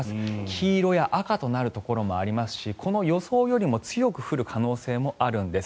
黄色や赤となるところもありますしこの予想よりも強く降る可能性もあるんです。